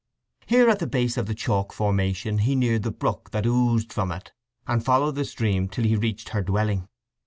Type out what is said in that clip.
Here at the base of the chalk formation he neared the brook that oozed from it, and followed the stream till he reached her dwelling.